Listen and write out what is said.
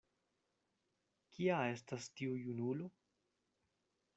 Kia estas tiu junulo?